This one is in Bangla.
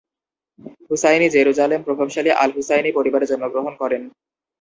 হুসাইনি জেরুজালেমের প্রভাবশালী আল-হুসাইনি পরিবারে জন্মগ্রহণ করেন।